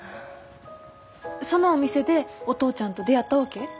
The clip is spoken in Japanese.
そのお店でお父ちゃんと出会ったわけ？